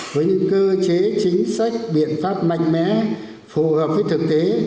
với những cơ chế chính sách biện pháp mạnh mẽ phù hợp với thực tế